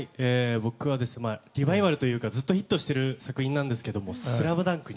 僕はリバイバルというかずっとヒットしてる作品なんですけど「ＳＬＡＭＤＵＮＫ」。